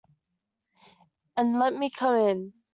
And let me come in.